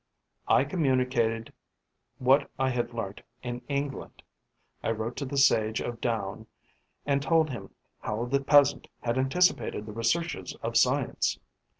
I communicated what I had learnt to England, I wrote to the sage of Down and told him how the peasant had anticipated the researches of science.